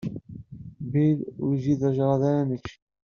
Bill wiji d ajeḍrar an ceč.